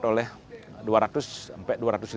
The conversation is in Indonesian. untuk membuatnya untuk orang orang yang berada di luar negara ini